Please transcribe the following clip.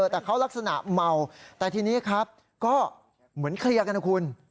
แต่เขาลักษณะเมาแต่ทีนี้ครับก็เหมือนเคลียร์กันนะคุณ